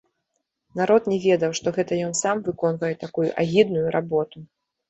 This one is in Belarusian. Народ не ведаў, што гэта ён сам выконвае такую агідную работу.